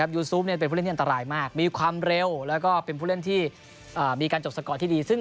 ยูซูฟเป็นผู้เล่นที่อันตรายมากมีความเร็วและก็มีการจบสกอร์ทที่ดี